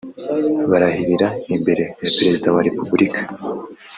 barahirira imbere ya perezida wa repubulika